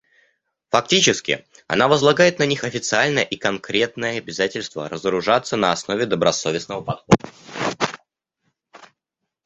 Фактически, она возлагает на них официальное и конкретное обязательство разоружаться на основе добросовестного подхода.